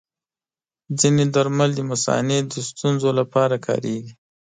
ځینې درمل د مثانې د ستونزو لپاره کارېږي.